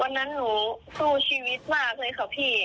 วันนั้นหนูสู้ชีวิตมากเลยค่ะพี่